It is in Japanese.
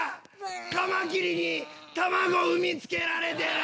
カマキリに卵産みつけられてる。